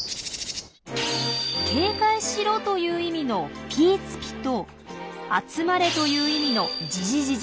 「警戒しろ」という意味の「ピーツピ」と「集まれ」という意味の「ヂヂヂヂ」。